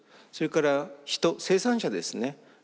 それから人生産者ですね。